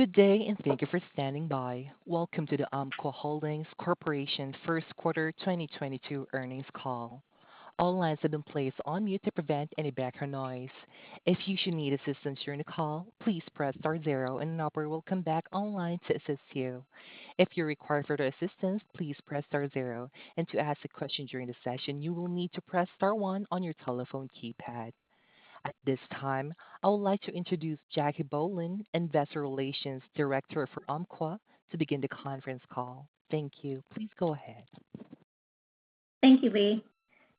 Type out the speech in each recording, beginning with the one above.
Good day, and thank you for standing by. Welcome to the Umpqua Holdings Corporation first quarter 2022 earnings call. All lines have been placed on mute to prevent any background noise. If you should need assistance during the call, please press star zero and an operator will come back online to assist you. If you require further assistance, please press star zero. To ask a question during the session, you will need to press star one on your telephone keypad. At this time, I would like to introduce Jacquelynne Bohlen, Investor Relations Director for Umpqua, to begin the conference call. Thank you. Please go ahead. Thank you, Lee.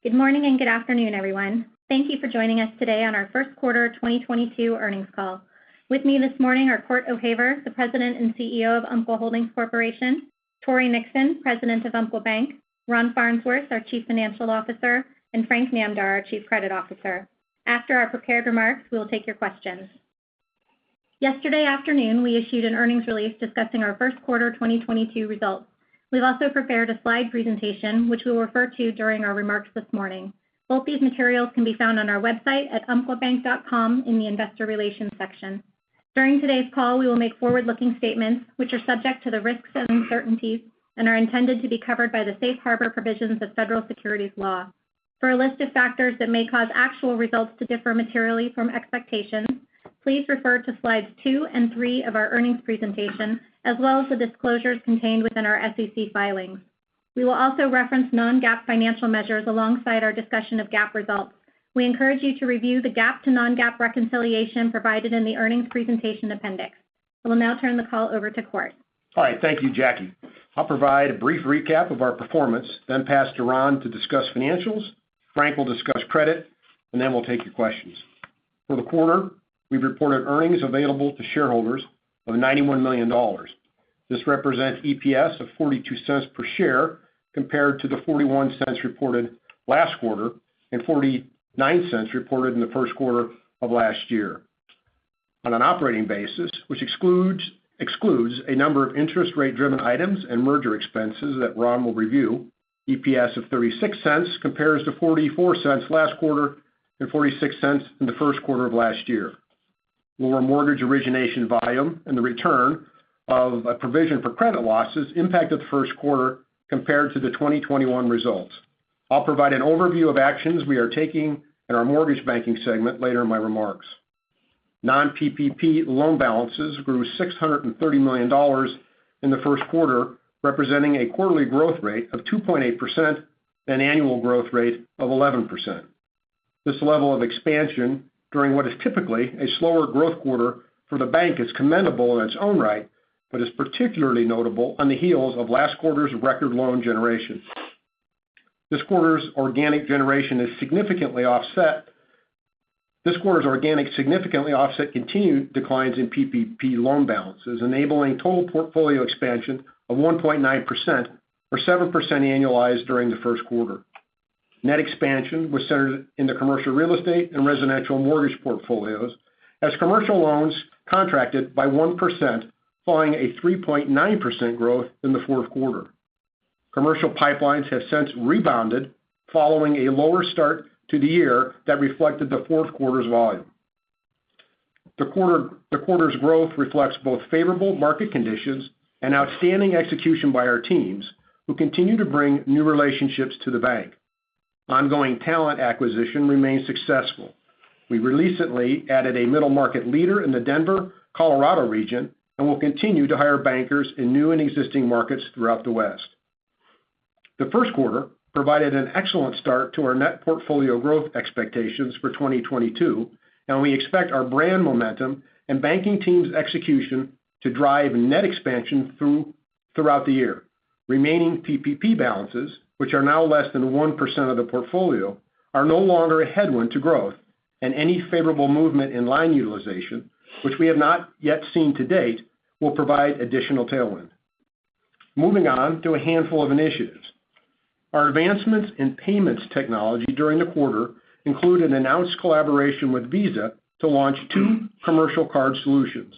Good morning and good afternoon, everyone. Thank you for joining us today on our first quarter 2022 earnings call. With me this morning are Cort O'Haver, the President and CEO of Umpqua Holdings Corporation, Tory Nixon, President of Umpqua Bank, Ron Farnsworth, our Chief Financial Officer, and Frank Namdar, our Chief Credit Officer. After our prepared remarks, we will take your questions. Yesterday afternoon, we issued an earnings release discussing our first quarter 2022 results. We've also prepared a slide presentation which we'll refer to during our remarks this morning. Both these materials can be found on our website at umpquabank.com in the investor relations section. During today's call, we will make forward-looking statements which are subject to the risks and uncertainties and are intended to be covered by the safe harbor provisions of federal securities law. For a list of factors that may cause actual results to differ materially from expectations, please refer to slides two and three of our earnings presentation, as well as the disclosures contained within our SEC filings. We will also reference non-GAAP financial measures alongside our discussion of GAAP results. We encourage you to review the GAAP to non-GAAP reconciliation provided in the earnings presentation appendix. I will now turn the call over to Cort. All right. Thank you, Jackie. I'll provide a brief recap of our performance, then pass to Ron to discuss financials. Frank will discuss credit, and then we'll take your questions. For the quarter, we've reported earnings available to shareholders of $91 million. This represents EPS of $0.42 per share compared to the $0.41 reported last quarter and $0.49 reported in the first quarter of last year. On an operating basis, which excludes a number of interest rate-driven items and merger expenses that Ron will review, EPS of $0.36 compares to $0.44 last quarter and $0.46 in the first quarter of last year. Lower mortgage origination volume and the recording of a provision for credit losses impacted the first quarter compared to the 2021 results. I'll provide an overview of actions we are taking in our mortgage banking segment later in my remarks. Non-PPP loan balances grew $630 million in the first quarter, representing a quarterly growth rate of 2.8% and annual growth rate of 11%. This level of expansion during what is typically a slower growth quarter for the bank is commendable in its own right, but is particularly notable on the heels of last quarter's record loan generation. This quarter's organic generation significantly offset continued declines in PPP loan balances, enabling total portfolio expansion of 1.9% or 7% annualized during the first quarter. Net expansion was centered in the commercial real estate and residential mortgage portfolios as commercial loans contracted by 1%, following a 3.9% growth in the fourth quarter. Commercial pipelines have since rebounded following a lower start to the year that reflected the fourth quarter's volume. The quarter's growth reflects both favorable market conditions and outstanding execution by our teams who continue to bring new relationships to the bank. Ongoing talent acquisition remains successful. We recently added a middle market leader in the Denver, Colorado region and will continue to hire bankers in new and existing markets throughout the West. The first quarter provided an excellent start to our net portfolio growth expectations for 2022, and we expect our brand momentum and banking team's execution to drive net expansion throughout the year. Remaining PPP balances, which are now less than 1% of the portfolio, are no longer a headwind to growth. Any favorable movement in line utilization, which we have not yet seen to date, will provide additional tailwind. Moving on to a handful of initiatives. Our advancements in payments technology during the quarter include an announced collaboration with Visa to launch two commercial card solutions.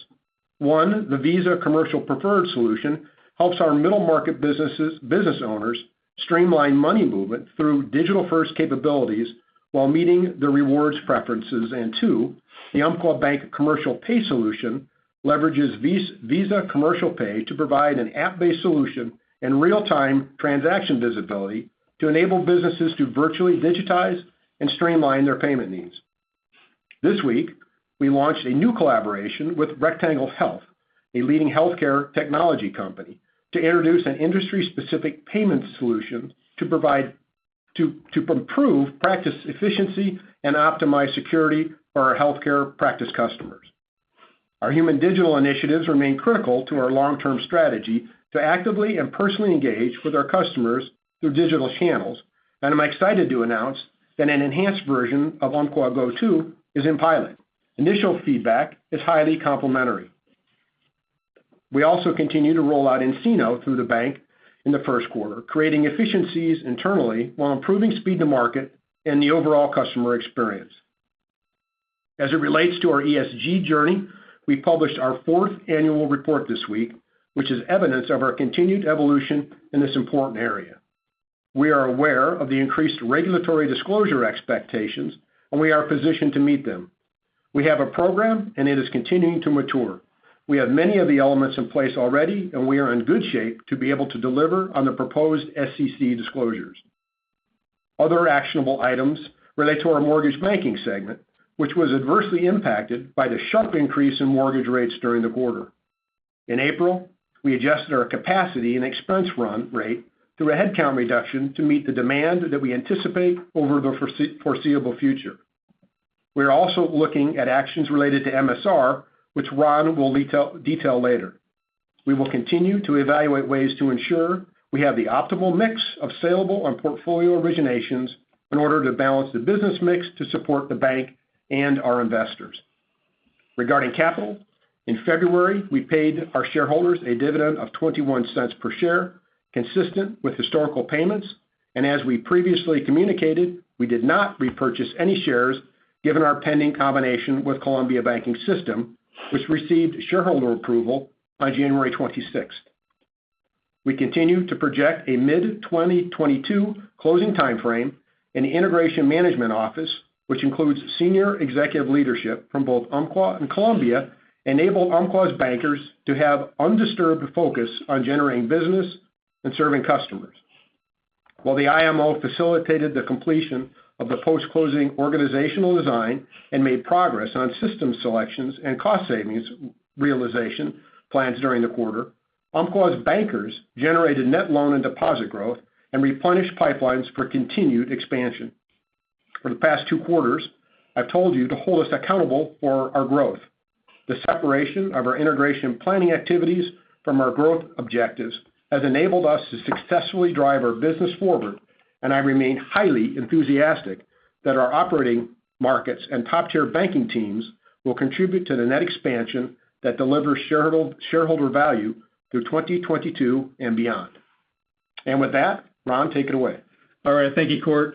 One, the Visa Commercial Preferred Solution helps our middle market businesses, business owners streamline money movement through digital-first capabilities while meeting their rewards preferences. Two, the Umpqua Bank Commercial Pay Solution leverages Visa Commercial Pay to provide an app-based solution and real-time transaction visibility to enable businesses to virtually digitize and streamline their payment needs. This week, we launched a new collaboration with Rectangle Health, a leading healthcare technology company, to introduce an industry-specific payment solution to improve practice efficiency and optimize security for our healthcare practice customers. Our human digital initiatives remain critical to our long-term strategy to actively and personally engage with our customers through digital channels. I'm excited to announce that an enhanced version of Umpqua Go-To is in pilot. Initial feedback is highly complimentary. We also continue to roll out nCino through the bank in the first quarter, creating efficiencies internally while improving speed to market and the overall customer experience. As it relates to our ESG journey, we published our fourth annual report this week, which is evidence of our continued evolution in this important area. We are aware of the increased regulatory disclosure expectations, and we are positioned to meet them. We have a program, and it is continuing to mature. We have many of the elements in place already, and we are in good shape to be able to deliver on the proposed SEC disclosures. Other actionable items relate to our mortgage banking segment, which was adversely impacted by the sharp increase in mortgage rates during the quarter. In April, we adjusted our capacity and expense run rate through a headcount reduction to meet the demand that we anticipate over the foreseeable future. We are also looking at actions related to MSR, which Ron will detail later. We will continue to evaluate ways to ensure we have the optimal mix of saleable and portfolio originations in order to balance the business mix to support the bank and our investors. Regarding capital, in February, we paid our shareholders a dividend of $0.21 per share, consistent with historical payments. As we previously communicated, we did not repurchase any shares given our pending combination with Columbia Banking System, which received shareholder approval on January 26th. We continue to project a mid-2022 closing timeframe and integration management office, which includes senior executive leadership from both Umpqua and Columbia, enable Umpqua's bankers to have undisturbed focus on generating business and serving customers. While the IMO facilitated the completion of the post-closing organizational design and made progress on system selections and cost savings realization plans during the quarter, Umpqua's bankers generated net loan and deposit growth and replenished pipelines for continued expansion. For the past two quarters, I've told you to hold us accountable for our growth. The separation of our integration planning activities from our growth objectives has enabled us to successfully drive our business forward, and I remain highly enthusiastic that our operating markets and top-tier banking teams will contribute to the net expansion that delivers shareholder value through 2022 and beyond. With that, Ron, take it away. All right. Thank you, Cort.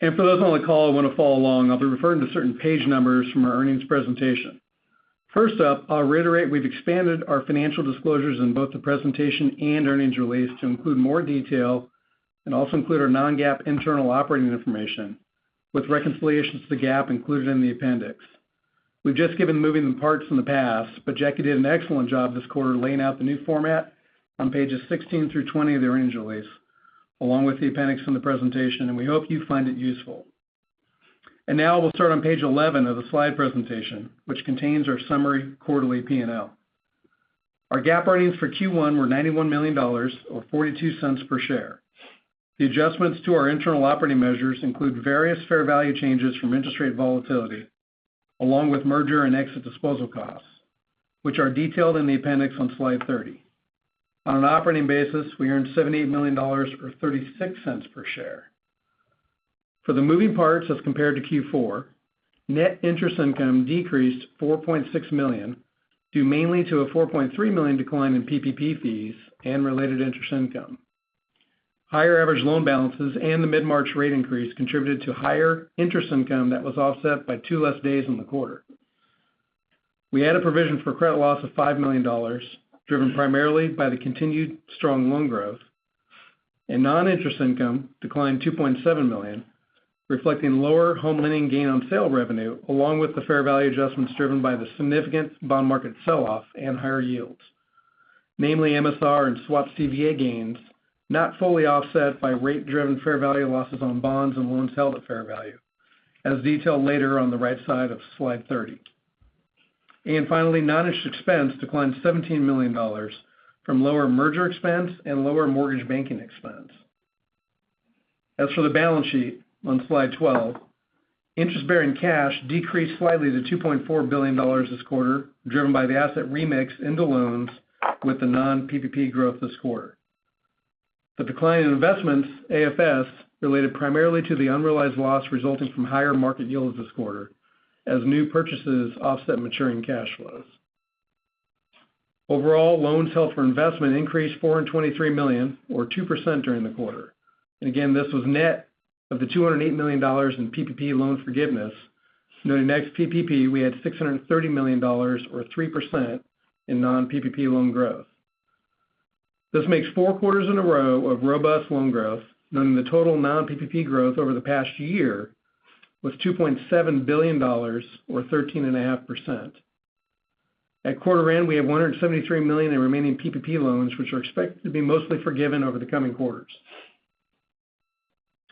For those on the call who want to follow along, I'll be referring to certain page numbers from our earnings presentation. First up, I'll reiterate we've expanded our financial disclosures in both the presentation and earnings release to include more detail and also include our non-GAAP internal operating information with reconciliations to GAAP included in the appendix. We've just given moving parts in the past, but Jackie did an excellent job this quarter laying out the new format on pages 16 through 20 of the earnings release, along with the appendix in the presentation, and we hope you find it useful. Now we'll start on page 11 of the slide presentation, which contains our summary quarterly P&L. Our GAAP earnings for Q1 were $91 million, or $0.42 per share. The adjustments to our internal operating measures include various fair value changes from interest rate volatility, along with merger and exit disposal costs, which are detailed in the appendix on slide 30. On an operating basis, we earned $78 million, or $0.36 per share. For the moving parts as compared to Q4, net interest income decreased $4.6 million, due mainly to a $4.3 million decline in PPP fees and related interest income. Higher average loan balances and the mid-March rate increase contributed to higher interest income that was offset by two less days in the quarter. We had a provision for credit loss of $5 million, driven primarily by the continued strong loan growth. Noninterest income declined $2.7 million, reflecting lower home lending gain on sale revenue, along with the fair value adjustments driven by the significant bond market sell-off and higher yields, namely MSR and swap CVA gains, not fully offset by rate-driven fair value losses on bonds and loans held at fair value, as detailed later on the right side of slide 30. Finally, noninterest expense declined $17 million from lower merger expense and lower mortgage banking expense. As for the balance sheet on slide 12, interest-bearing cash decreased slightly to $2.4 billion this quarter, driven by the asset remix into loans with the non-PPP growth this quarter. The decline in investments, AFS, related primarily to the unrealized loss resulting from higher market yields this quarter as new purchases offset maturing cash flows. Overall, loans held for investment increased $423 million, or 2% during the quarter. Again, this was net of the $208 million in PPP loan forgiveness. Net PPP, we had $630 million or 3% in non-PPP loan growth. This makes four quarters in a row of robust loan growth, noting the total non-PPP growth over the past year was $2.7 billion or 13.5%. At quarter end, we have $173 million in remaining PPP loans, which are expected to be mostly forgiven over the coming quarters.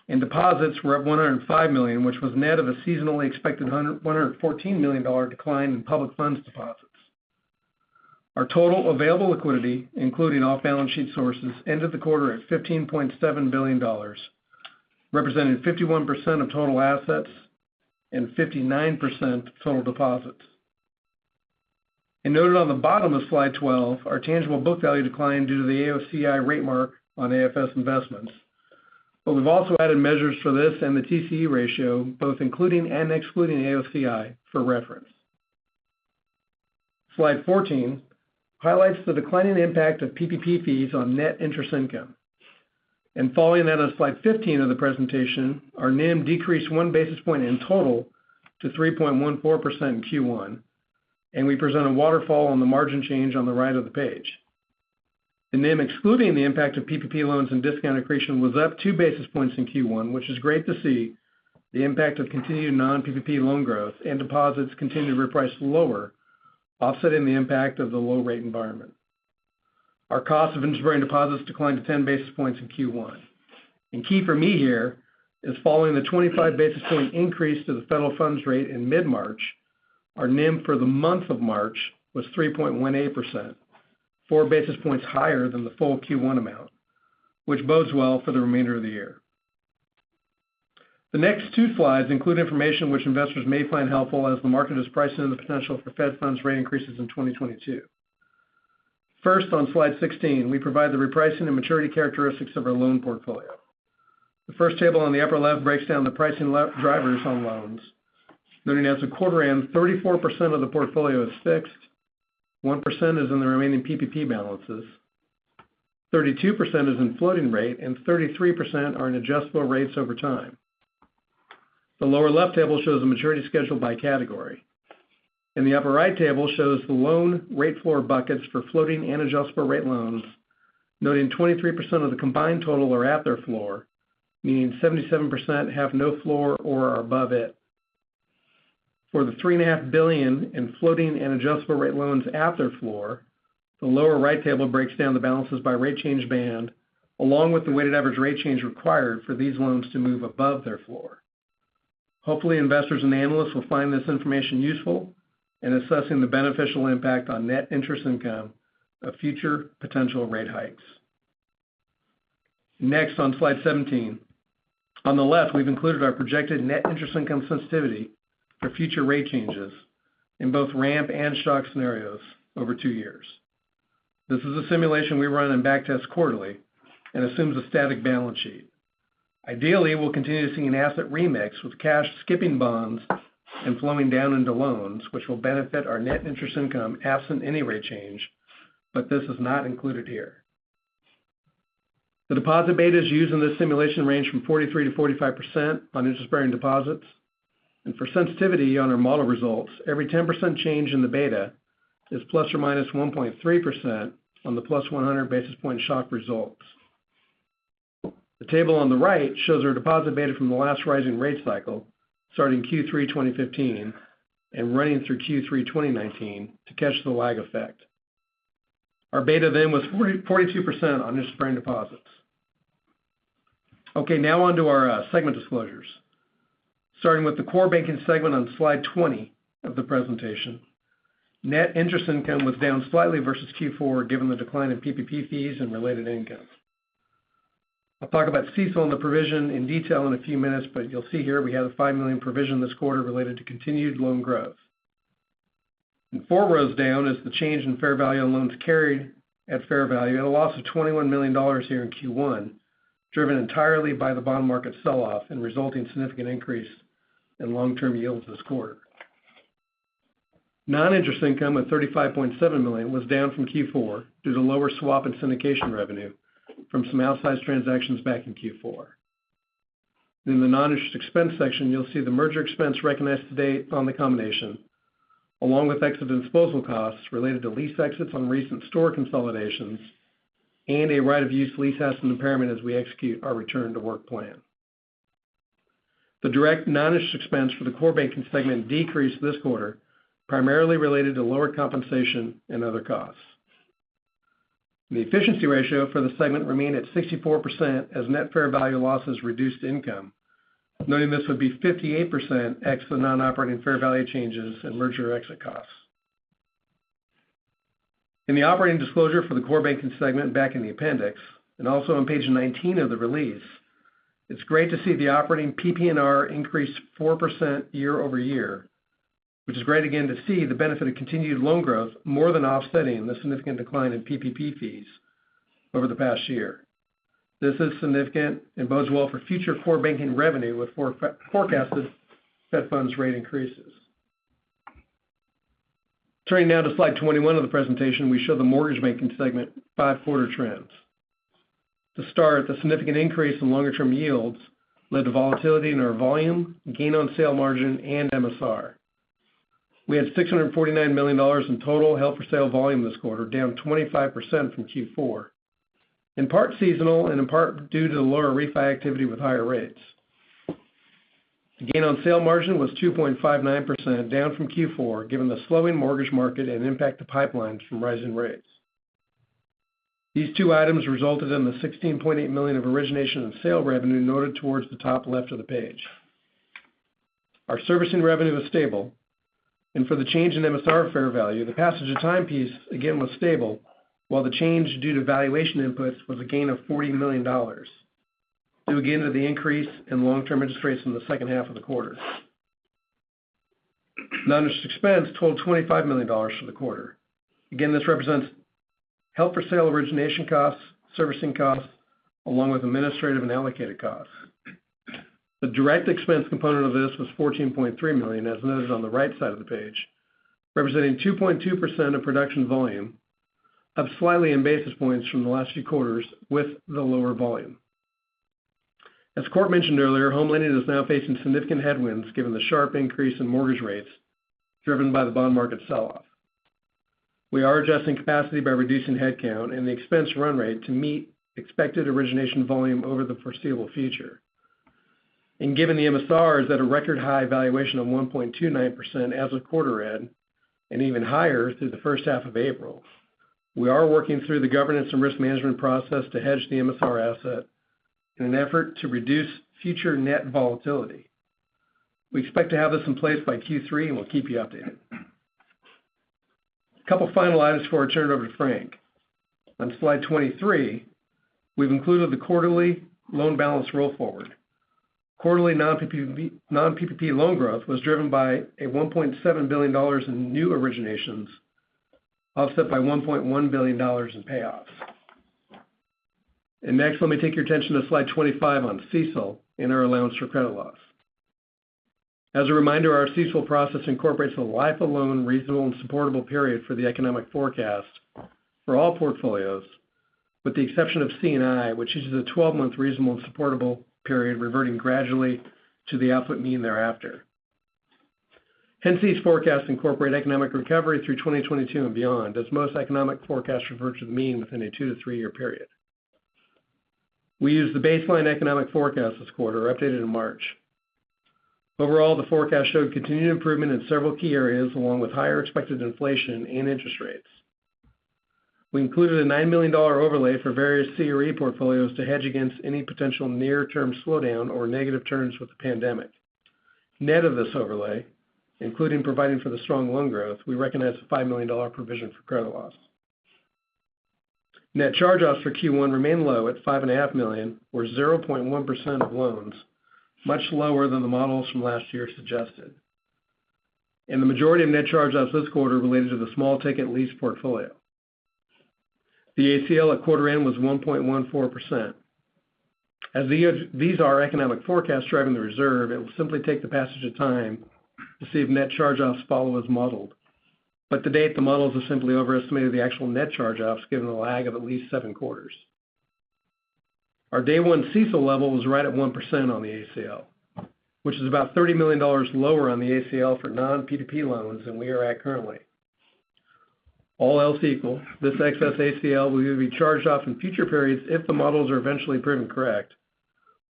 In deposits, we're at $105 million, which was net of a seasonally expected one hundred and fourteen million dollar decline in public funds deposits. Our total available liquidity, including off-balance sheet sources, ended the quarter at $15.7 billion, representing 51% of total assets and 59% of total deposits. Noted on the bottom of slide 12, our tangible book value declined due to the AOCI rate mark on AFS investments. We've also added measures for this and the TCE ratio, both including and excluding AOCI for reference. Slide 14 highlights the declining impact of PPP fees on net interest income. Following that on slide 15 of the presentation, our NIM decreased one basis point in total to 3.14% in Q1. We present a waterfall on the margin change on the right of the page. The NIM excluding the impact of PPP loans and discount accretion was up 2 basis points in Q1, which is great to see the impact of continued non-PPP loan growth and deposits continued to reprice lower, offsetting the impact of the low rate environment. Our cost of interest-bearing deposits declined to 10 basis points in Q1. Key for me here is following the 25 basis point increase to the federal funds rate in mid-March, our NIM for the month of March was 3.18%, 4 basis points higher than the full Q1 amount, which bodes well for the remainder of the year. The next two slides include information which investors may find helpful as the market is pricing in the potential for Fed funds rate increases in 2022. First, on slide 16, we provide the repricing and maturity characteristics of our loan portfolio. The first table on the upper left breaks down the pricing levers on loans. Noting as the quarter ends, 34% of the portfolio is fixed, 1% is in the remaining PPP balances, 32% is in floating rate, and 33% are in adjustable rates over time. The lower left table shows the maturity schedule by category. The upper right table shows the loan rate floor buckets for floating and adjustable rate loans. Noting 23% of the combined total are at their floor, meaning 77% have no floor or are above it. For the $3.5 billion in floating and adjustable rate loans at their floor, the lower right table breaks down the balances by rate change band, along with the weighted average rate change required for these loans to move above their floor. Hopefully, investors and analysts will find this information useful in assessing the beneficial impact on net interest income of future potential rate hikes. Next, on slide 17. On the left, we've included our projected net interest income sensitivity for future rate changes in both ramp and shock scenarios over two years. This is a simulation we run and backtest quarterly and assumes a static balance sheet. Ideally, we'll continue seeing an asset remix with cash skipping bonds and flowing down into loans, which will benefit our net interest income absent any rate change, but this is not included here. The deposit betas used in this simulation range from 43%-45% on interest-bearing deposits. For sensitivity on our model results, every 10% change in the beta is ±1.3% on the +100 basis point shock results. The table on the right shows our deposit beta from the last rising rate cycle, starting Q3 2015 and running through Q3 2019 to catch the lag effect. Our beta then was 42% on interest-bearing deposits. Okay, now on to our segment disclosures. Starting with the core banking segment on slide 20 of the presentation. Net interest income was down slightly versus Q4, given the decline in PPP fees and related income. I'll talk about CECL and the provision in detail in a few minutes, but you'll see here we had a $5 million provision this quarter related to continued loan growth. Four rows down is the change in fair value on loans carried at fair value at a loss of $21 million here in Q1, driven entirely by the bond market sell-off and resulting significant increase in long-term yields this quarter. Non-interest income at $35.7 million was down from Q4 due to lower swap and syndication revenue from some outsized transactions back in Q4. In the non-interest expense section, you'll see the merger expense recognized to date on the combination, along with exit and disposal costs related to lease exits on recent store consolidations and a right-of-use lease asset impairment as we execute our return-to-work plan. The direct non-interest expense for the core banking segment decreased this quarter, primarily related to lower compensation and other costs. The efficiency ratio for the segment remained at 64% as net fair value losses reduced income, noting this would be 58% ex the non-operating fair value changes and merger exit costs. In the operating disclosure for the core banking segment back in the appendix, and also on page 19 of the release, it's great to see the operating PPNR increased 4% year-over-year, which is great again to see the benefit of continued loan growth more than offsetting the significant decline in PPP fees over the past year. This is significant and bodes well for future core banking revenue with forecasted Fed funds rate increases. Turning now to slide 21 of the presentation, we show the mortgage banking segment by quarter trends. To start, the significant increase in longer-term yields led to volatility in our volume, gain on sale margin, and MSR. We had $649 million in total held for sale volume this quarter, down 25% from Q4. In part seasonal and in part due to the lower refi activity with higher rates. The gain on sale margin was 2.59%, down from Q4, given the slowing mortgage market and impact to pipelines from rising rates. These two items resulted in the $16.8 million of origination and sale revenue noted towards the top left of the page. Our servicing revenue was stable. For the change in MSR fair value, the passage of time piece again was stable, while the change due to valuation inputs was a gain of $40 million due again to the increase in long-term interest rates in the second half of the quarter. Non-interest expense totaled $25 million for the quarter. Again, this represents held for sale origination costs, servicing costs, along with administrative and allocated costs. The direct expense component of this was $14.3 million, as noted on the right side of the page, representing 2.2% of production volume, up slightly in basis points from the last few quarters with the lower volume. As Cort mentioned earlier, home lending is now facing significant headwinds given the sharp increase in mortgage rates driven by the bond market sell-off. We are adjusting capacity by reducing head count and the expense run rate to meet expected origination volume over the foreseeable future. Given the MSR is at a record high valuation of 1.29% as of quarter end, and even higher through the first half of April, we are working through the governance and risk management process to hedge the MSR asset in an effort to reduce future net volatility. We expect to have this in place by Q3, and we'll keep you updated. Couple final items before I turn it over to Frank. On slide 23, we've included the quarterly loan balance roll forward. Quarterly non-PPP loan growth was driven by $1.7 billion in new originations, offset by $1.1 billion in payoffs. Next, let me take your attention to slide 25 on CECL and our allowance for credit loss. As a reminder, our CECL process incorporates the life of loan reasonable and supportable period for the economic forecast for all portfolios, with the exception of C&I, which uses a 12-month reasonable and supportable period reverting gradually to the output mean thereafter. Hence, these forecasts incorporate economic recovery through 2022 and beyond, as most economic forecasts revert to the mean within a two to three-year period. We use the baseline economic forecast this quarter, updated in March. Overall, the forecast showed continued improvement in several key areas, along with higher expected inflation and interest rates. We included a $9 million overlay for various CRE portfolios to hedge against any potential near-term slowdown or negative turns with the pandemic. Net of this overlay, including providing for the strong loan growth, we recognized a $5 million provision for credit loss. Net charge-offs for Q1 remained low at $5.5 million, or 0.1% of loans, much lower than the models from last year suggested. The majority of net charge-offs this quarter related to the small-ticket lease portfolio. The ACL at quarter end was 1.14%. These are our economic forecasts driving the reserve. It will simply take the passage of time to see if net charge-offs follow as modeled. To date, the models have simply overestimated the actual net charge-offs, given the lag of at least seven quarters. Our day one CECL level was right at 1% on the ACL, which is about $30 million lower on the ACL for non-PPP loans than we are at currently. All else equal, this excess ACL will either be charged off in future periods if the models are eventually proven correct,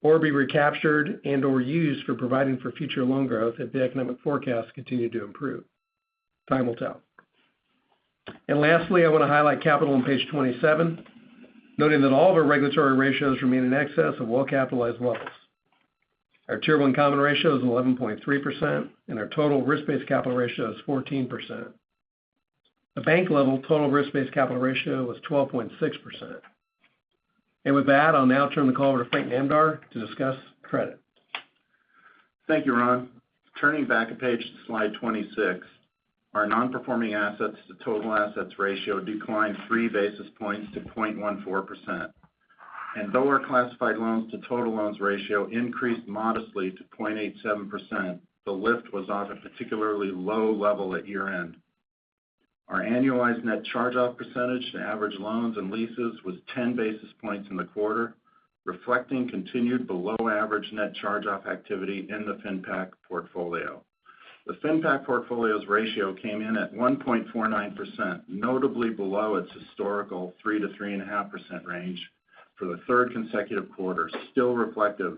or be recaptured and/or used for providing for future loan growth if the economic forecasts continue to improve. Time will tell. Lastly, I want to highlight capital on page 27, noting that all of our regulatory ratios remain in excess of well-capitalized levels. Our Tier 1 common ratio is 11.3%, and our total risk-based capital ratio is 14%. The bank-level total risk-based capital ratio was 12.6%. With that, I'll now turn the call over to Frank Namdar to discuss credit. Thank you, Ron. Turning back a page to slide 26, our non-performing assets to total assets ratio declined 3 basis points to 0.14%. Lower classified loans to total loans ratio increased modestly to 0.87%. The lift was off a particularly low level at year-end. Our annualized net charge-off percentage to average loans and leases was 10 basis points in the quarter, reflecting continued below-average net charge-off activity in the FinPac portfolio. The FinPac portfolio's ratio came in at 1.49%, notably below its historical 3%-3.5% range for the third consecutive quarter, still reflective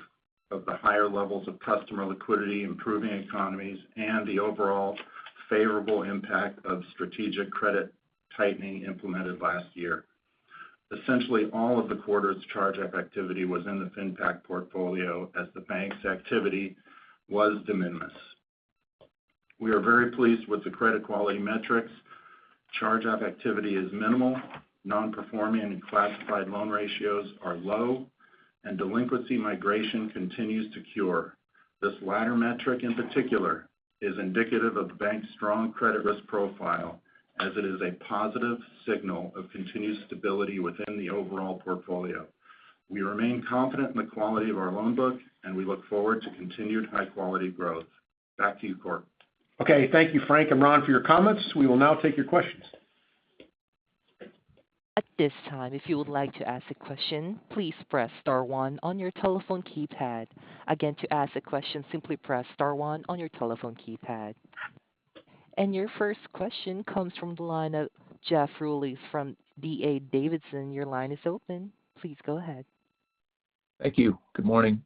of the higher levels of customer liquidity, improving economies, and the overall favorable impact of strategic credit tightening implemented last year. Essentially, all of the quarter's charge-off activity was in the FinPac portfolio as the bank's activity was de minimis. We are very pleased with the credit quality metrics. Charge-off activity is minimal. Non-performing and classified loan ratios are low. Delinquency migration continues to cure. This latter metric in particular is indicative of the bank's strong credit risk profile as it is a positive signal of continued stability within the overall portfolio. We remain confident in the quality of our loan book, and we look forward to continued high-quality growth. Back to you, Cort. Okay. Thank you, Frank and Ron, for your comments. We will now take your questions. At this time, if you would like to ask a question, please press star one on your telephone keypad. Again, to ask a question, simply press star one on your telephone keypad. Your first question comes from the line of Jeff Rulis from D.A. Davidson. Your line is open. Please go ahead. Thank you. Good morning.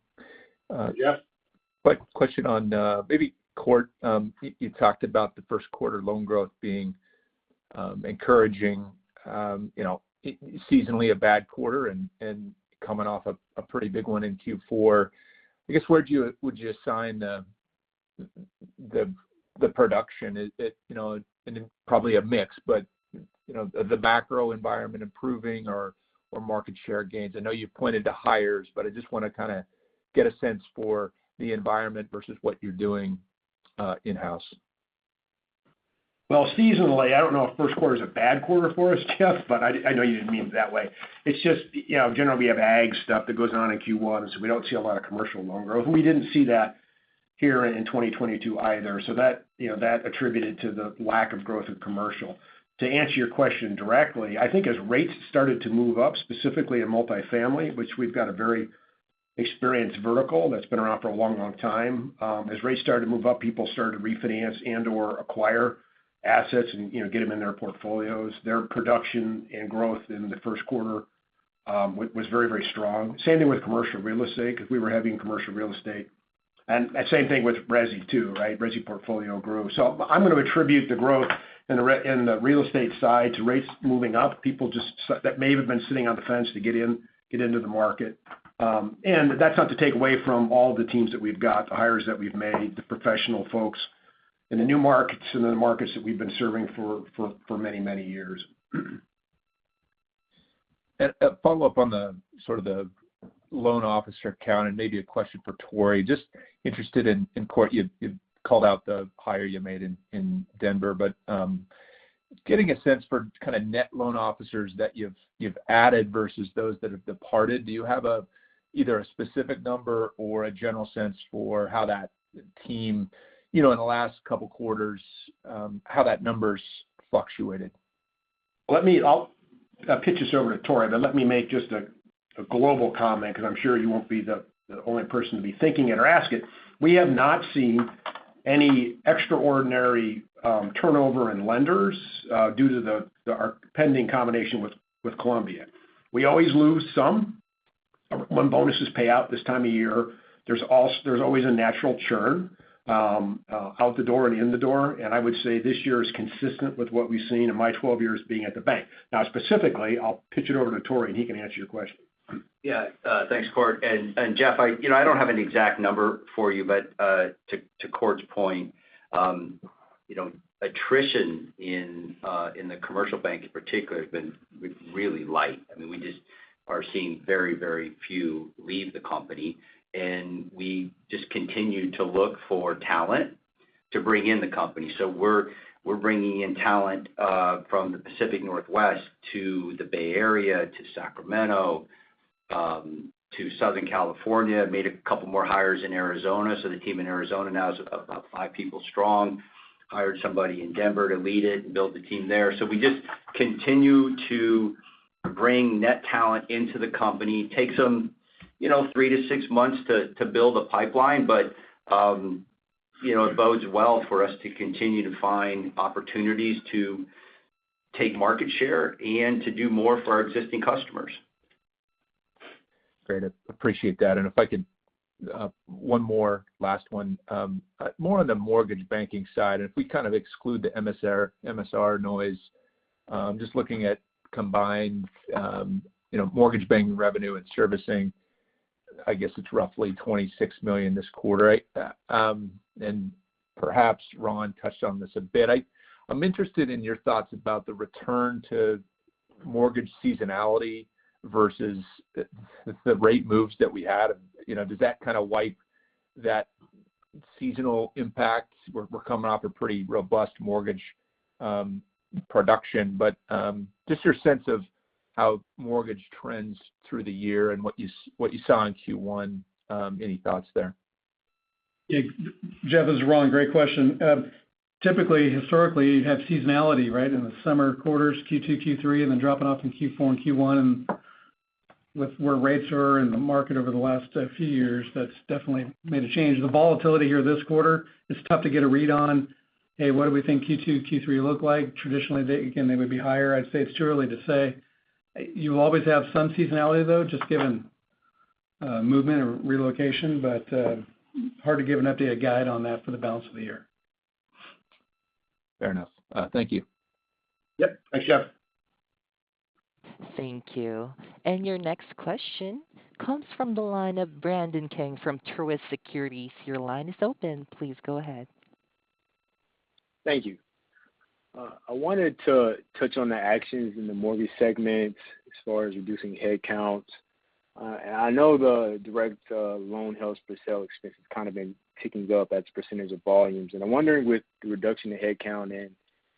Jeff. Quick question on maybe Cort. You talked about the first quarter loan growth being encouraging, you know, it's seasonally a bad quarter and coming off a pretty big one in Q4. I guess where would you assign the production? It, you know, and then probably a mix, but, you know, the macro environment improving or market share gains. I know you pointed to hires, but I just wanna kinda get a sense for the environment versus what you're doing in-house. Well, seasonally, I don't know if first quarter is a bad quarter for us, Jeff, but I know you didn't mean it that way. It's just, you know, generally we have ag stuff that goes on in Q1, and so we don't see a lot of commercial loan growth. We didn't see that. Here in 2022 either. That, you know, attributed to the lack of growth in commercial. To answer your question directly, I think as rates started to move up, specifically in multifamily, which we've got a very experienced vertical that's been around for a long, long time. As rates started to move up, people started to refinance and/or acquire assets and, you know, get them in their portfolios. Their production and growth in the first quarter was very, very strong. Same thing with commercial real estate, because we were heavy in commercial real estate. Same thing with resi too, right? Resi portfolio grew. I'm going to attribute the growth in the real estate side to rates moving up. People just that may have been sitting on the fence to get in, get into the market. That's not to take away from all the teams that we've got, the hires that we've made, the professional folks in the new markets and the markets that we've been serving for many years. A follow-up on the sort of the loan officer count, and maybe a question for Tory. Just interested in Cort, you called out the hire you made in Denver. But getting a sense for kind of net loan officers that you've added versus those that have departed. Do you have either a specific number or a general sense for how that team, you know, in the last couple quarters, how that number's fluctuated? I'll pitch this over to Tory, but let me make just a global comment because I'm sure you won't be the only person to be thinking it or ask it. We have not seen any extraordinary turnover in lenders due to our pending combination with Columbia. We always lose some when bonuses pay out this time of year. There's always a natural churn out the door and in the door. I would say this year is consistent with what we've seen in my 12 years being at the bank. Now, specifically, I'll pitch it over to Tory, and he can answer your question. Yeah, thanks, Cort. Jeff, you know, I don't have an exact number for you. To Cort's point, you know, attrition in the commercial bank in particular has been really light. I mean, we just are seeing very few leave the company, and we just continue to look for talent to bring into the company. We're bringing in talent from the Pacific Northwest to the Bay Area to Sacramento to Southern California, made a couple more hires in Arizona, so the team in Arizona now is about five people strong. Hired somebody in Denver to lead it and build the team there. We just continue to bring net talent into the company. Takes them, you know, three to six months to build a pipeline, but you know, it bodes well for us to continue to find opportunities to take market share and to do more for our existing customers. Great. Appreciate that. If I could, one more last one. More on the mortgage banking side, and if we kind of exclude the MSR noise, just looking at combined, you know, mortgage banking revenue and servicing, I guess it's roughly $26 million this quarter. Perhaps Ron touched on this a bit. I'm interested in your thoughts about the return to mortgage seasonality versus the rate moves that we had. You know, does that kind of wipe that seasonal impact? We're coming off a pretty robust mortgage production. Just your sense of how mortgage trends through the year and what you saw in Q1, any thoughts there? Yeah. Jeff, this is Ron. Great question. Typically, historically, you have seasonality, right, in the summer quarters, Q2, Q3, and then dropping off in Q4 and Q1. With where rates are in the market over the last few years, that's definitely made a change. The volatility here this quarter is tough to get a read on. Hey, what do we think Q2, Q3 look like? Traditionally, they again, they would be higher. I'd say it's too early to say. You always have some seasonality though, just given movement or relocation, but hard to give an updated guide on that for the balance of the year. Fair enough. Thank you. Yep. Thanks, Jeff. Thank you. Your next question comes from the line of Brandon King from Truist Securities. Your line is open. Please go ahead. Thank you. I wanted to touch on the actions in the mortgage segment as far as reducing headcount. I know the direct loans held for sale expense has kind of been ticking up as a percentage of volumes. I'm wondering, with the reduction in headcount and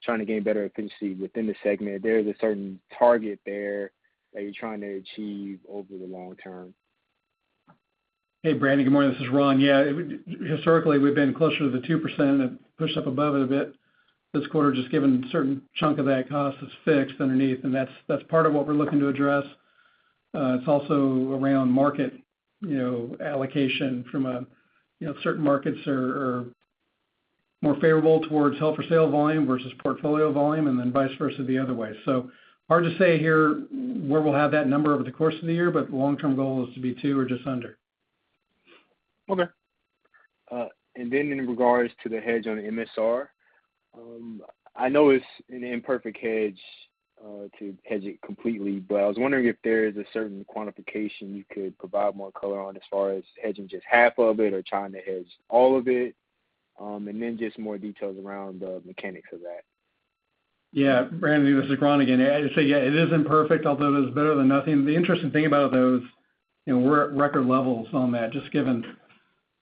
trying to gain better efficiency within the segment, if there's a certain target there that you're trying to achieve over the long term. Hey, Brandon, good morning. This is Ron. Yeah, it historically, we've been closer to the 2% and pushed up above it a bit this quarter, just given a certain chunk of that cost is fixed underneath. That's part of what we're looking to address. It's also around market, you know, allocation from a, you know, certain markets are more favorable towards held for sale volume versus portfolio volume and then vice versa the other way. Hard to say here where we'll have that number over the course of the year, but long-term goal is to be 2% or just under. Okay. In regards to the hedge on MSR, I know it's an imperfect hedge to hedge it completely. I was wondering if there is a certain quantification you could provide more color on as far as hedging just half of it or trying to hedge all of it. Just more details around the mechanics of that. Yeah. Brandon, this is Ron again. As I say, yeah, it is imperfect, although it is better than nothing. The interesting thing about though is, you know, we're at record levels on that, just given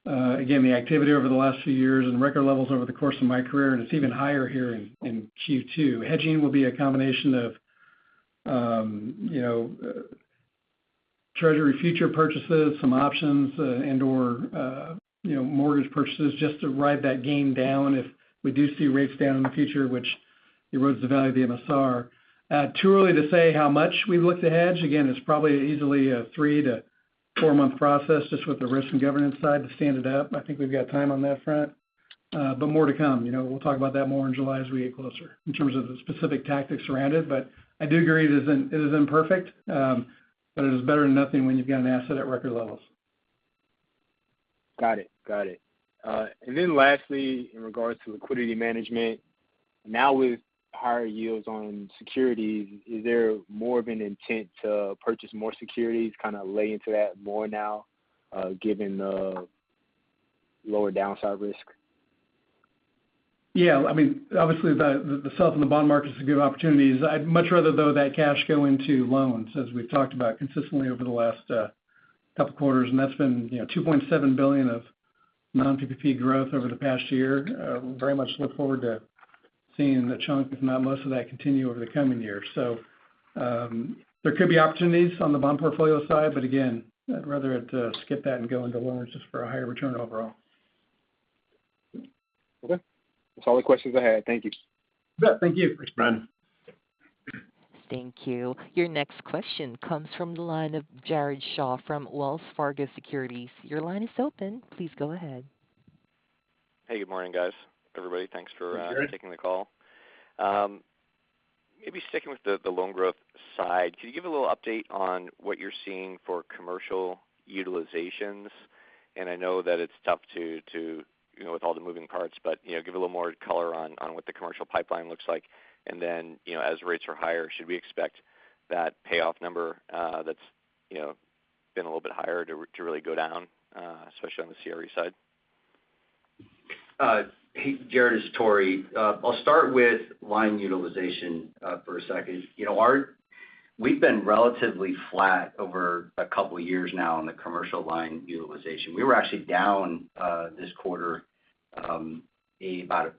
again, the activity over the last few years and record levels over the course of my career, and it's even higher here in Q2. Hedging will be a combination of, you know, Treasury future purchases, some options, and/or, you know, mortgage purchases just to ride that gain down if we do see rates down in the future, which erodes the value of the MSR. Too early to say how much we've looked to hedge. Again, it's probably easily a three to four-month process just with the risk and governance side to stand it up. I think we've got time on that front. More to come. You know, we'll talk about that more in July as we get closer in terms of the specific tactics around it. I do agree it isn't perfect, but it is better than nothing when you've got an asset at record levels. Got it. Lastly, in regards to liquidity management, now with higher yields on securities, is there more of an intent to purchase more securities kind of lean into that more now, given the lower downside risk? Yeah. I mean, obviously the selloff in the bond market is a good opportunity. I'd much rather though that cash go into loans, as we've talked about consistently over the last couple of quarters, and that's been, you know, $2.7 billion of non-PPP growth over the past year. Very much look forward to seeing the chunk, if not most of that, continue over the coming year. There could be opportunities on the bond portfolio side, but again, I'd rather it skip that and go into loans just for a higher return overall. Okay. That's all the questions I had. Thank you. You bet. Thank you. Thanks, Brandon. Thank you. Your next question comes from the line of Jared Shaw from Wells Fargo Securities. Your line is open. Please go ahead. Hey, good morning, guys. Everybody, thanks for- Hey, Jared Thank you for taking the call. Maybe sticking with the loan growth side, could you give a little update on what you're seeing for commercial utilizations? I know that it's tough to you know, with all the moving parts, but you know, give a little more color on what the commercial pipeline looks like. As rates are higher, should we expect that payoff number that's you know, been a little bit higher to really go down especially on the CRE side? Hey, Jared, it's Tory. I'll start with line utilization for a second. You know, we've been relatively flat over a couple of years now on the commercial line utilization. We were actually down this quarter about 1.5%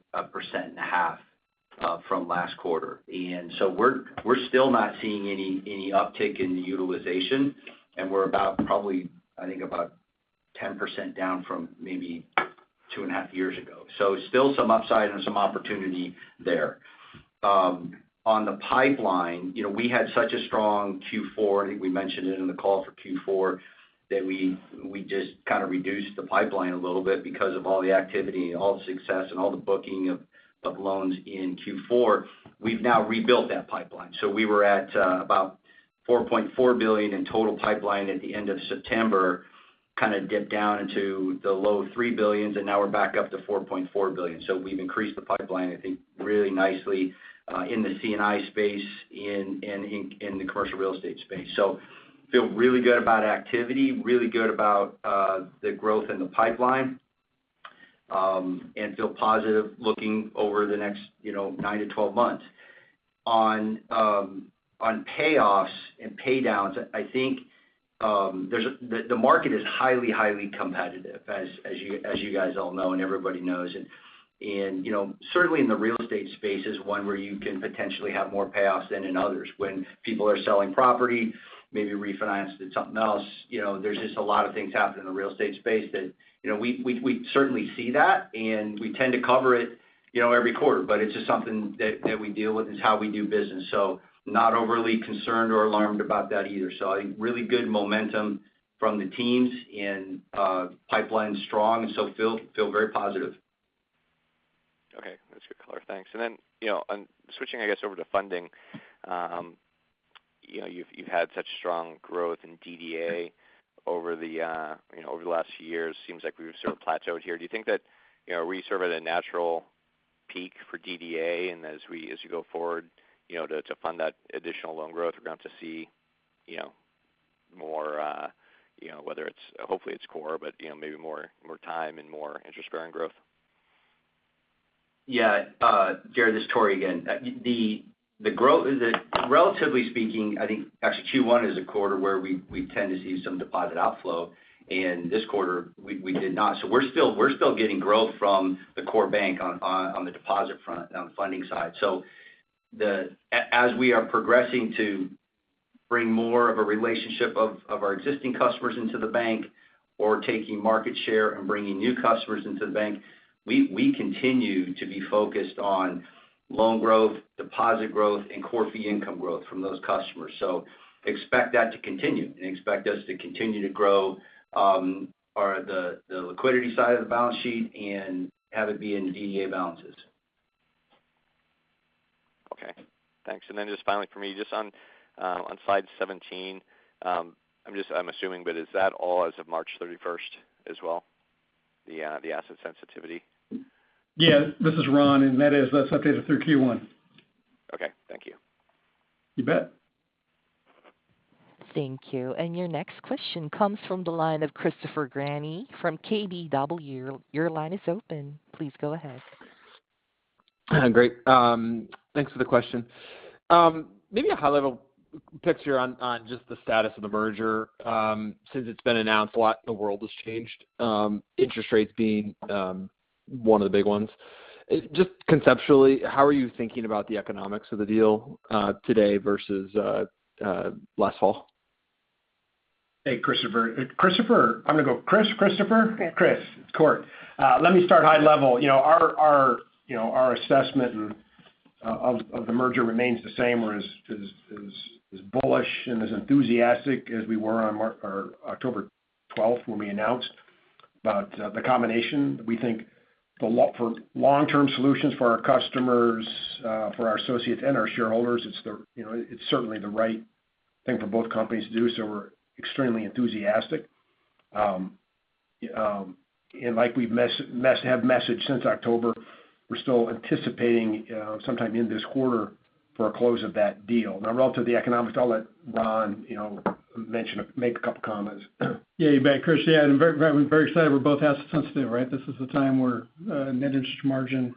from last quarter. We're still not seeing any uptick in the utilization, and we're about probably, I think about 10% down from maybe two and a half years ago. Still some upside and some opportunity there. On the pipeline, you know, we had such a strong Q4, I think we mentioned it in the call for Q4, that we just kind of reduced the pipeline a little bit because of all the activity, all the success, and all the booking of loans in Q4. We've now rebuilt that pipeline. We were at about $4.4 billion in total pipeline at the end of September, kind of dipped down into the low $3 billion, and now we're back up to $4.4 billion. We've increased the pipeline, I think, really nicely in the C&I space, in the commercial real estate space. I feel really good about activity, really good about the growth in the pipeline, and feel positive looking over the next, you know, nine to 12 months. On payoffs and pay downs, I think, the market is highly competitive, as you guys all know and everybody knows. You know, certainly in the real estate space is one where you can potentially have more payoffs than in others when people are selling property, maybe refinanced it something else. You know, there's just a lot of things happening in the real estate space that, you know, we certainly see that and we tend to cover it, you know, every quarter, but it's just something that we deal with. It's how we do business. Not overly concerned or alarmed about that either. I think really good momentum from the teams and pipeline's strong and so feel very positive. Okay. That's good color. Thanks. You know, switching, I guess, over to funding, you know, you've had such strong growth in DDA over the, you know, over the last few years. Seems like we've sort of plateaued here. Do you think that, you know, are we sort of at a natural peak for DDA? As you go forward, you know, to fund that additional loan growth, we're going to see, you know, more, you know, whether it's core, hopefully, but, you know, maybe more time and more interest bearing growth. Yeah. Jared, this is Tory again. The growth relatively speaking, I think actually Q1 is a quarter where we tend to see some deposit outflow, and this quarter we did not. We're still getting growth from the core bank on the deposit front, on the funding side. As we are progressing to bring more of a relationship of our existing customers into the bank or taking market share and bringing new customers into the bank, we continue to be focused on loan growth, deposit growth, and core fee income growth from those customers. Expect that to continue and expect us to continue to grow the liquidity side of the balance sheet and have it be in the DDA balances. Okay. Thanks. Just finally for me, just on slide 17, I'm assuming, but is that all as of March 31st as well, the asset sensitivity? Yeah. This is Ron. That's updated through Q1. Okay. Thank you. You bet. Thank you. Your next question comes from the line of Christopher McGratty from KBW. Your line is open. Please go ahead. Great. Thanks for the question. Maybe a high-level picture on just the status of the merger, since it's been announced, a lot, the world has changed, interest rates being one of the big ones. Just conceptually, how are you thinking about the economics of the deal, today versus last fall? Hey, Christopher. Christopher, I'm gonna go Chris, Christopher? Chris. Chris, it's Cort. Let me start high level. You know, our assessment of the merger remains the same or as bullish and as enthusiastic as we were on October twelfth when we announced. The combination we think for long-term solutions for our customers, for our associates and our shareholders, it's you know, it's certainly the right thing for both companies to do, so we're extremely enthusiastic. Like we've messaged since October, we're still anticipating sometime in this quarter for a close of that deal. Now relative to the economics, I'll let Ron mention it, make a couple comments. Yeah, you bet, Chris. Yeah, and we're very excited we're both asset sensitive, right? This is the time where net interest margin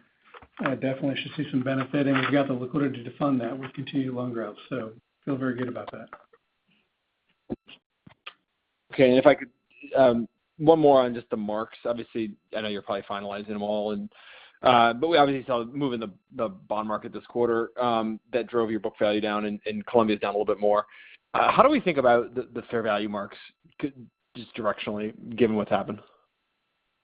definitely should see some benefit, and we've got the liquidity to fund that with continued loan growth. Feel very good about that. Okay. If I could, one more on just the marks. Obviously I know you're probably finalizing them all and, but we obviously saw movement in the bond market this quarter, that drove your book value down and Columbia's down a little bit more. How do we think about the fair value marks just directionally given what's happened?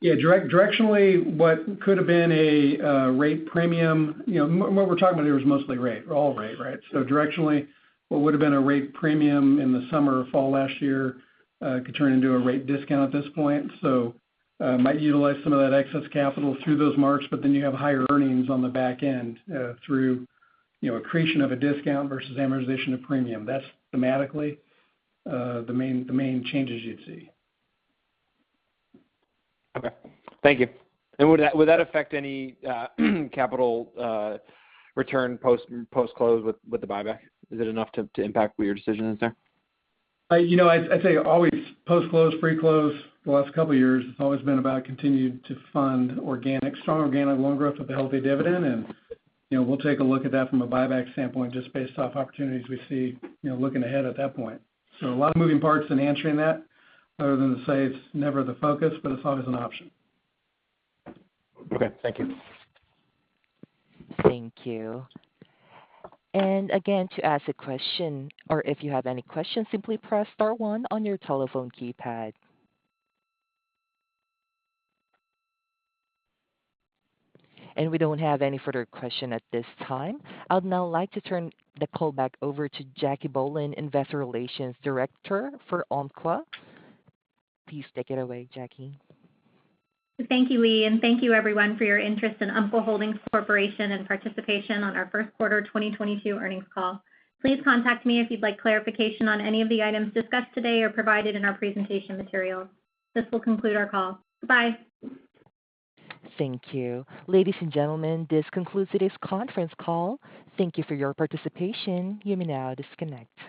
Yeah. Directionally, what could have been a rate premium, you know, what we're talking about here is mostly rate. We're all rate, right? Directionally, what would've been a rate premium in the summer or fall last year could turn into a rate discount at this point. Might utilize some of that excess capital through those marks, but then you have higher earnings on the back end through, you know, accretion of a discount versus amortization of premium. That's thematically the main changes you'd see. Okay. Thank you. Would that affect any capital return post-close with the buyback? Is it enough to impact what your decision is there? You know, I'd say always post-close, pre-close, the last couple years it's always been about continue to fund organic, strong organic loan growth with a healthy dividend. You know, we'll take a look at that from a buyback standpoint, just based off opportunities we see, you know, looking ahead at that point. A lot of moving parts in answering that other than to say it's never the focus, but it's always an option. Okay. Thank you. Thank you. Again, to ask a question, or if you have any questions, simply press star one on your telephone keypad. We don't have any further question at this time. I would now like to turn the call back over to Jacquelynne Bohlen, Investor Relations Director for Umpqua. Please take it away, Jackie. Thank you, Lee. Thank you everyone for your interest in Umpqua Holdings Corporation and participation on our first quarter 2022 earnings call. Please contact me if you'd like clarification on any of the items discussed today or provided in our presentation materials. This will conclude our call. Bye. Thank you. Ladies and gentlemen, this concludes today's conference call. Thank you for your participation. You may now disconnect.